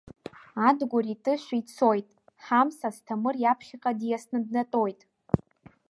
Адгәыри Тышәи цоит, Ҳамс Асҭамыр иаԥхьаҟа диасны днатәоит.